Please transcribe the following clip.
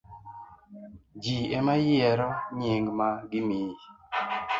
Ji ema yiero nying' ma gimiyi.